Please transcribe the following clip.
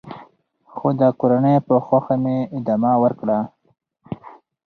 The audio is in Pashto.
خو د کورنۍ په خوښه مې ادامه ورکړه .